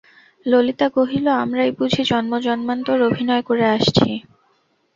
ললিতা কহিল, আমরাই বুঝি জন্মজন্মান্তর অভিনয় করে আসছি?